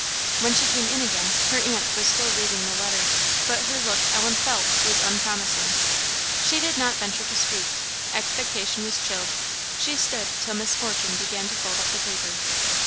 When she came in again, her aunt was still reading the letter. But her look, Ellen felt, was unpromising. She did not venture to speak expectation was chilled. She stood till Miss Fortune began to fold up the paper.